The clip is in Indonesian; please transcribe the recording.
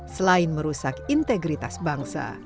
selain merusak integritas bangsa